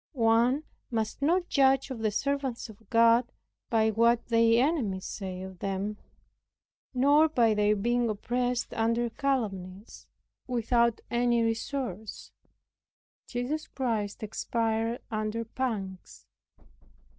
One must not judge of the servants of God by what their enemies say of them, nor by their being oppressed under calumnies without any resource. Jesus Christ expired under pangs.